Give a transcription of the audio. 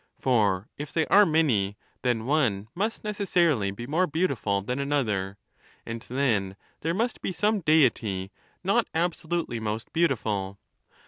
For if they are many, then one must necessarily be more beautiful than another, and then there must be some Deity not absolute ly most beautiful.